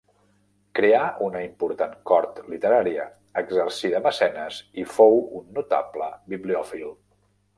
Creà una important cort literària, exercí de mecenes i fou un notable bibliòfil.